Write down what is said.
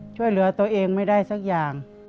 ช่วยเหลือตัวเองไม่ได้สักอย่าง